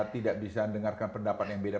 tidak bisa dengarkan pendapat yang beda